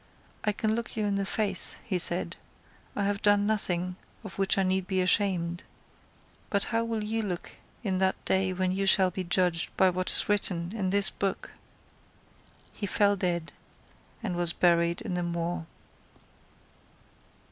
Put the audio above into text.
"I can look you in the face," he said; "I have done nothing of which I need be ashamed. But how will you look in that day when you shall be judged by what is written in this book?" He fell dead, and was buried in the moor.